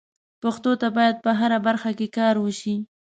پښتو ته باید په هره برخه کې کار وشي.